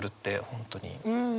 本当に。